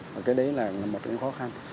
và cái đấy là một cái khó khăn